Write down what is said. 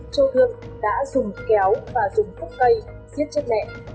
châu thương đã dùng kéo và dùng cốc cây giết chết mẹ